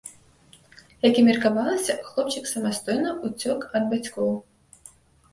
Як і меркавалася, хлопчык самастойна ўцёк ад бацькоў.